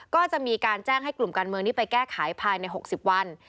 ก็จะมีการแจ้งให้กลุ่มการเมืองนี้ไปแก้ไขภายใน๖๐วัน